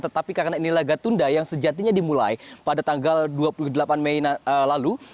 tetapi karena ini laga tunda yang sejatinya dimulai pada tanggal dua puluh delapan mei lalu